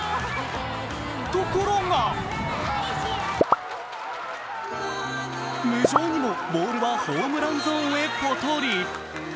ところが、無情にもボールはホームランゾーンへポトリ。